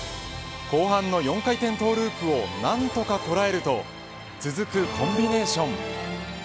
後半の４回転トゥループを何とかこらえると続くコンビネーション。